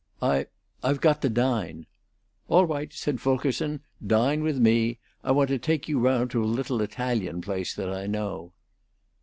"I I've got to dine." "All right," said Fulkerson. "Dine with me. I want to take you round to a little Italian place that I know."